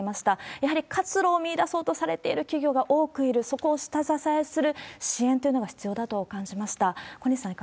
やはり活路を見いだそうとされている企業が多くいる、そこを下支えする支援というのが必要だと感じました。